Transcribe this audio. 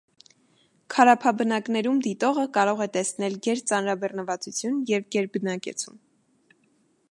«Քարափաբնակներում» դիտողը կարող է տեսնել գերծանրաբեռնվածություն և գերբնակեցում։